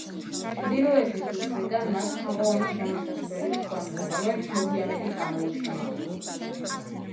ჩრდილოეთის მხრიდან მას თაღოვანი შემოსასვლელი ჰქონია, რომელიც მოგვიანებით ამოუშენებიათ.